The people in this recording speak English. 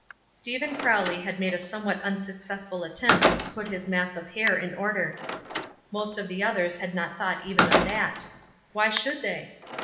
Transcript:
Stephen Crowley had made a somewhat unsuccessful attempt to put his mass of hair in order. Most of the others had not thought even of that. Why should they?